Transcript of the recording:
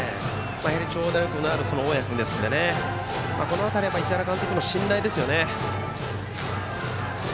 やはり長打力のある大矢君なのでこの辺り市原監督の信頼ですよね。